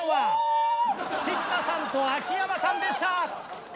菊田さんと秋山さんでした！